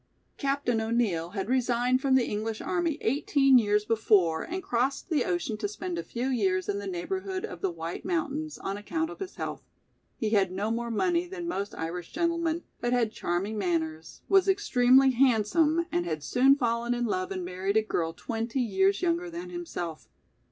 Captain O'Neill had resigned from the English army eighteen years before and crossed the ocean to spend a few years in the neighborhood of the White Mountains on account of his health; he had no more money than most Irish gentlemen, but had charming manners, was extremely handsome and had soon fallen in love and married a girl twenty years younger than himself.